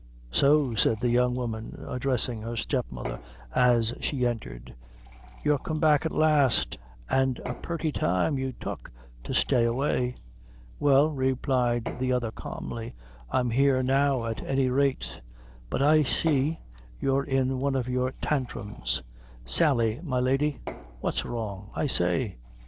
"So," said the young woman, addressing her step mother, as she entered, "you're come back at last, an' a purty time you tuck to stay away!" "Well," replied the other, calmly, "I'm here now at any rate; but I see you're in one of your tantrums, Sally, my lady. What's wrong, I say?